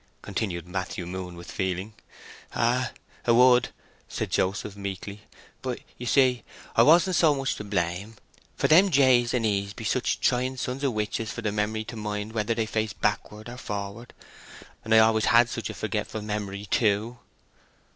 continued Matthew Moon with feeling. "Ay—'a would," said Joseph, meekly. "But, you see, I wasn't so much to blame, for them J's and E's be such trying sons o' witches for the memory to mind whether they face backward or forward; and I always had such a forgetful memory, too."